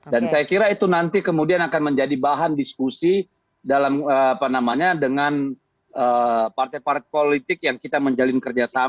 dan saya kira itu nanti kemudian akan menjadi bahan diskusi dalam apa namanya dengan partai partai politik yang kita menjalin kerjasama